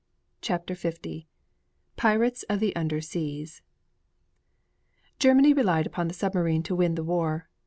CHAPTER L THE PIRATES OF THE UNDER SEAS Germany relied upon the submarine to win the war.